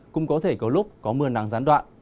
cũng có thể có lúc có mưa nắng gián đoạn